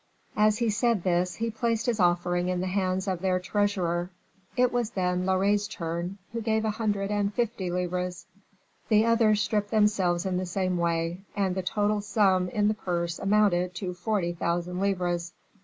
As he said this, he placed his offering in the hands of their treasurer; it was then Loret's turn, who gave a hundred and fifty livres; the others stripped themselves in the same way; and the total sum in the purse amounted to forty thousand livres.